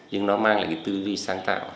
nhưng nó mang lại cái tư duy sáng tạo